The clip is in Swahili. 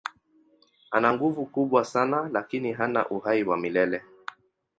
Ana nguvu kubwa sana lakini hana uhai wa milele.